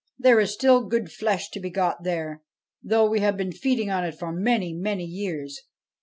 There is still good flesh to be got there, though we have been feeding on it for many, many years.